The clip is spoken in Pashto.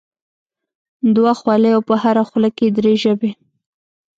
دوه خولې او په هره خوله کې درې ژبې.